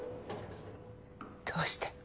どうして。